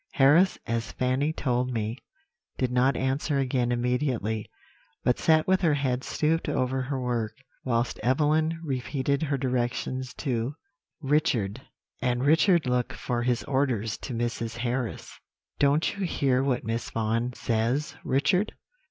"Harris, as Fanny told me, did not answer again immediately, but sat with her head stooped over her work, whilst Evelyn repeated her directions to Richard; and Richard looked for his orders to Mrs. Harris. "'Don't you hear what Miss Vaughan says, Richard?'